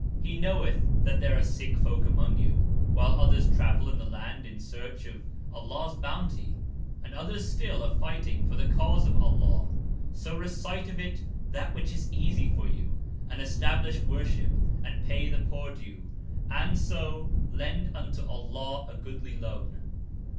He knoweth that there are sick folk among you, while others travel in the land in search of Allah's bounty, and others (still) are fighting for the cause of Allah. So recite of it that which is easy (for you), and establish worship and pay the poor due, and (so) lend unto Allah a goodly loan.